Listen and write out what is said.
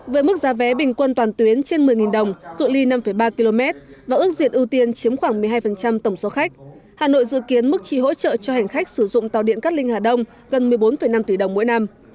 với mức giá vé bình quân toàn tuyến trên một mươi đồng cự li năm ba km và ước diện ưu tiên chiếm khoảng một mươi hai tổng số khách hà nội dự kiến mức trị hỗ trợ cho hành khách sử dụng tàu điện cát linh hà đông gần một mươi bốn năm tỷ đồng mỗi năm